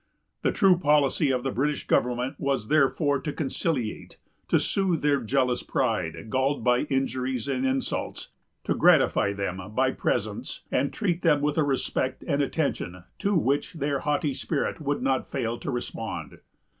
The true policy of the British government was therefore to conciliate; to soothe their jealous pride, galled by injuries and insults; to gratify them by presents, and treat them with a respect and attention to which their haughty spirit would not fail to respond.